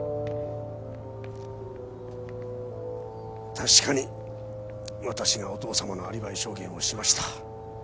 確かにわたしがお父さまのアリバイ証言をしました。